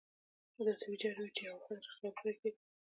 داسې ویجاړې وې چې د یوه افت خیال پرې کېده.